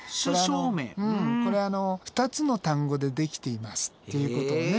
これあの２つの単語で出来ていますっていうことをね